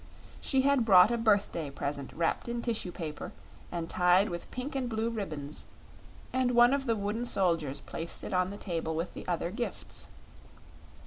She had brought a birthday present wrapped in tissue paper and tied with pink and blue ribbons, and one of the wooden soldiers placed it on the table with the other gifts.